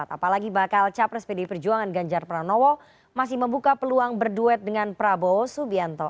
apalagi bakal capres pdi perjuangan ganjar pranowo masih membuka peluang berduet dengan prabowo subianto